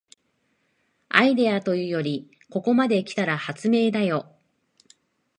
アイデアというよりここまで来たら発明だよ